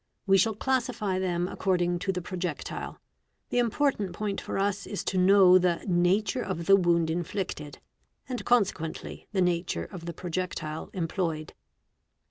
We shall "classify them according to the projectile; the important point for us is to know the nature of the wound inflicted, and consequently the nature of _ the projectile employed.